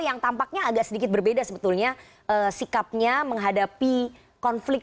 yang tampaknya agak sedikit berbeda sebetulnya sikapnya menghadapi konflik